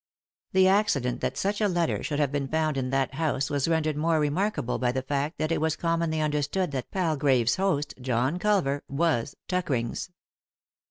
The accident that such a letter should have been found in that house was rendered more remarkable by the fact that it was com monly understood that Palgrave's host, John Culver, was Tuckerings.